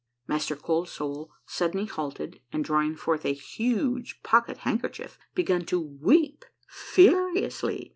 Master Cold Soul suddenl}^ halted, and drawing forth a huge pocket handkerchief, began to weep furiously.